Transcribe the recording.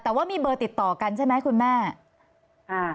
แต่ว่ามีเบอร์ติดต่อกันใช่ไหมคุณแม่อ่า